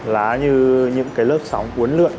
lá như những lớp sóng cuốn lượn